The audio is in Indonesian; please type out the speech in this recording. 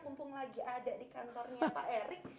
mumpung lagi ada di kantornya pak erik